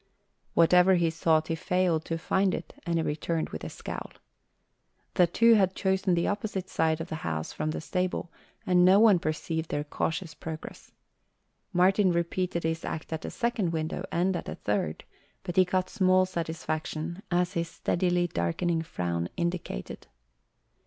Whatever he sought, he failed to find it, and he returned with a scowl. The two had chosen the opposite side of the house from the stable and no one perceived their cautious progress. Martin repeated his act at a second window and at a third, but he got small satisfaction, as his steadily darkening frown indicated.